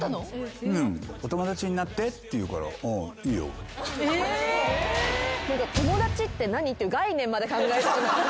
「お友達になって」って言うから「うんいいよ」え！っていう概念まで考えたくなる。